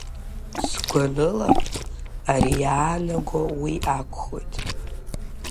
Сгәанала, ари иаанаго уи акәхоит…